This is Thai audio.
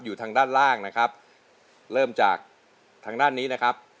อยู่ทางด้านล่างนะครับเริ่มจากทางด้านนี้นะครับ